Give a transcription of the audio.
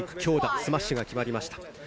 スマッシュが決まりました。